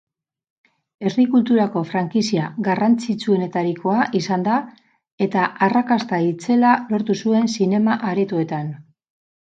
Herri kulturako frankizia garrantzitsuenetarikoa izan da eta arrakasta itzela lortu zuen zinema-aretoetan.